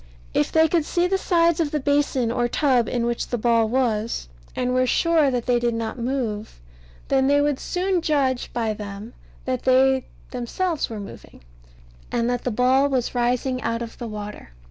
If they could see the sides of the basin or tub in which the ball was, and were sure that they did not move, then they would soon judge by them that they themselves were moving, and that the ball was rising out of the water.